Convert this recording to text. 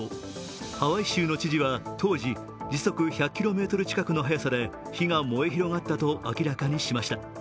ハワイ州の知事は当時、時速１００キロメートルの速さで火が燃え広がったと明らかにしました。